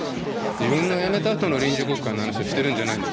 自分の辞めたあとの臨時国会の話をしてるんじゃないんです。